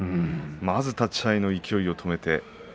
まず立ち合いの勢いを止めて。